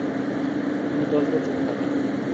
তিনি দশ বছর থাকেন।